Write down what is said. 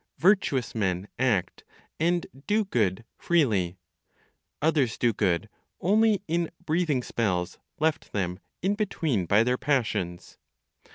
Virtuous men act, and do good freely. Others do good only in breathing spells left them in between by their passions.